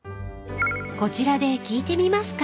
［こちらで聞いてみますか」